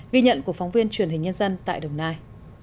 ghi nhận của phóng viên truyền hình nhân dân tại đồng nai